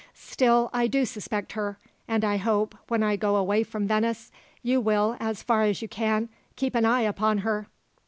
Still I do suspect her; and I hope, when I go away from Venice, you will, as far as you can, keep an eye upon her."